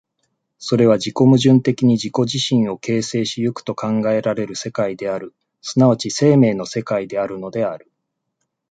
それは自己矛盾的に自己自身を形成し行くと考えられる世界である、即ち生命の世界であるのである。